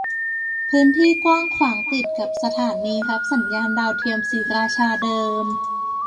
พื้นที่กว้างขวางติดกับสถานีรับสัญญาณดาวเทียมศรีราชาเดิม